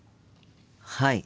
はい。